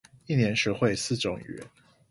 一年學會四種語言